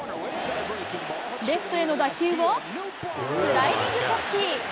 レフトへの打球をスライディングキャッチ。